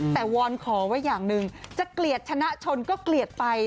แต่วอนขอไว้อย่างหนึ่งจะเกลียดชนะชนก็เกลียดไป